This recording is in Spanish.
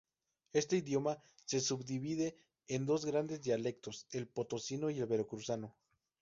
Este idioma se subdivide en dos grandes dialectos: el Potosino y el Veracruzano.